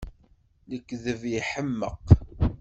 Lekdeb iḥemmeq!